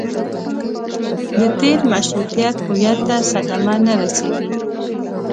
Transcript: د تېر مشروطیت هویت ته صدمه نه رسېږي.